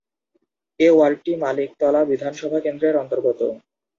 এই ওয়ার্ডটি মানিকতলা বিধানসভা কেন্দ্রের অন্তর্গত।